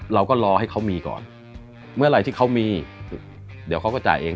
เราก็รอให้เขามีก่อนเมื่อไหร่ที่เขามีเดี๋ยวเขาก็จ่ายเอง